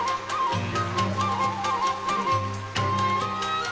うん。